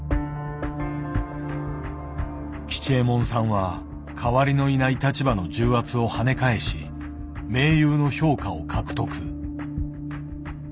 吉右衛門さんは代わりのいない立場の重圧をはね返し名優の評価を獲得。